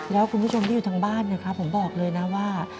แล้วคุณผู้ชมที่อยู่ทางบ้านนะครับผมบอกเลยนะว่า